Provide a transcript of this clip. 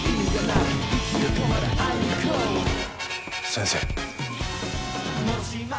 先生。